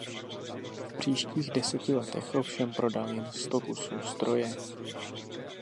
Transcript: V příštích deseti letech ovšem prodal jen sto kusů stroje.